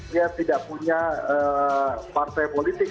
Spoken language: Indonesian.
dia tidak punya partai politik